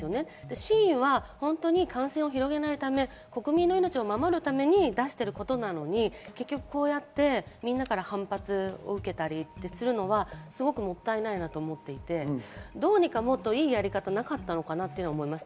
真意は本当に感染を広げないため、国民の命を守るために出していることなのに、みんなから反発を受けたりするのはもったいないなと思っていて、どうにかもっと、いいやり方がなかったのかなと思います。